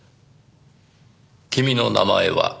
君の名前は？